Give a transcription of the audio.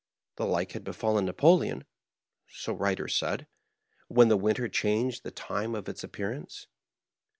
The like had befallen !N^apoleon (so writers said) when the winter changed the time of its appearance.